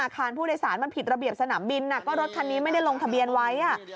คารผู้โดยสารมันผิดระเบียบสนามบินก็รถคันนี้ไม่ได้ลงทะเบียนไว้